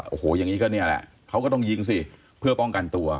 โอ้โหอย่างนี้ก็เนี่ยแหละเขาก็ต้องยิงสิเพื่อป้องกันตัว